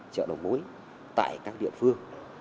chợ đầu mối tại các địa phương